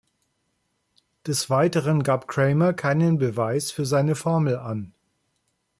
Des Weiteren gab Cramer keinen Beweis für seine Formel an.